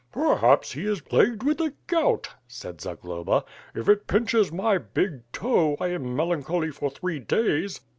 "Perhaps he is plagued with the gout,^ 'said Zagloba. "If it pinches my big toe, I am melancholy for three days."